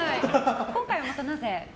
今回はまたなぜ？